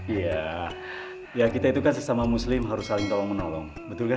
iya ya kita itu kan sesama muslim harus saling tolong menolong betul kan